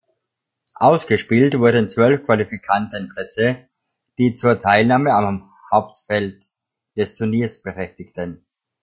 Ausgespielt wurden zwölf Qualifikantenplätze, die zur Teilnahme am Hauptfeld des Turniers berechtigten.